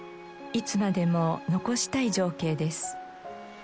いつまでも残したい情景です。